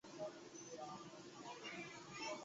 与国民军的战斗便告结束。